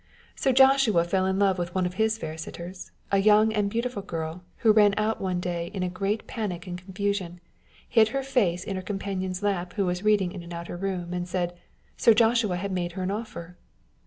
Sir Joshua fell in love with one of his fair sitters, a young and beautiful girl, who ran out one day in a great panic and confusion, hid her face in her companion's lap who was reading in an outer room, and said, " Sir Joshua had made her an offer